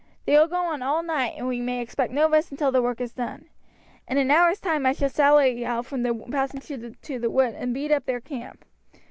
They will go on all night, and we may expect no rest until the work is done. In an hour's time I shall sally out from the passage into the wood and beat up their camp.